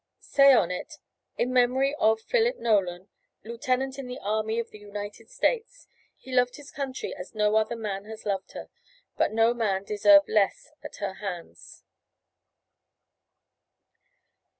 Say on it: "In Memory of "PHILIP NOLAN, "Lieutenant in the Army of the United States. "He loved his country as no other man has loved her; but no man deserved less at her hands."